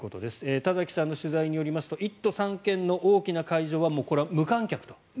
田崎さんの取材によりますと１都３県の大きな会場はもうこれは無観客と。